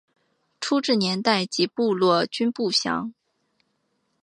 初置年代及部落均不详。